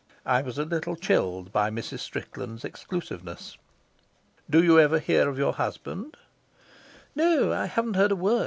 I was a little chilled by Mrs. Strickland's exclusiveness. "Do you ever hear of your husband?" "No; I haven't heard a word.